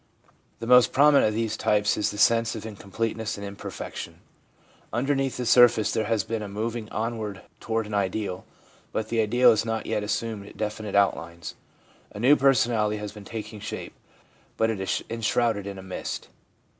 The most prominent of these types is the sense of incompleteness and imperfection. Underneath the surface there has been a moving onward toward an ideal, but the ideal has not yet assumed definite outlines. A new personality has been taking shape, but it is enshrouded in a mist.